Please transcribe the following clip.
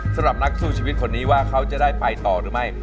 สำหรับนักสู้ชีวิตคนนี้ว่าเขาจะได้ไปต่อหรือไม่